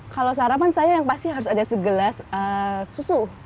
kalau sarapan saya yang pasti harus ada segelas susu